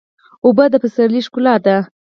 اوبه د پسرلي ښکلا ده.